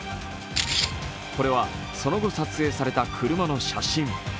これはその後、撮影された車の写真。